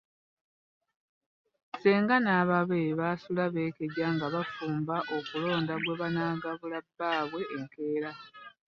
Ssenga n’ababe basula beekeja nga bafumba kalonda gwe banaagabula bbaabwe enkeera.